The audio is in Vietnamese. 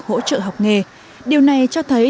hỗ trợ học nghề điều này cho thấy